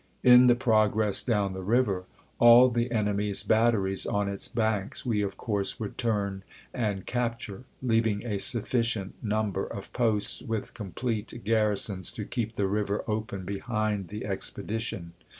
In the progress down the river all the enemy's batteries on its banks we of course would turn and capture, leaving a sufficient number of posts with complete garrisons to keep the river open behind the expedition.